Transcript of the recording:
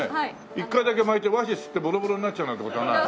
１回だけ巻いて汗吸ってボロボロになっちゃうなんて事はない？